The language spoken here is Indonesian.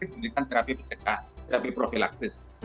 diberikan terapi pencegahan terapi profilaksis